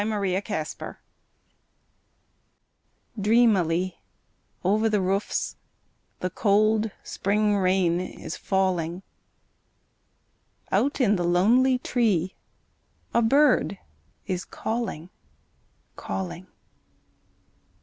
Twilight Dreamily over the roofs The cold spring rain is falling, Out in the lonely tree A bird is calling, calling.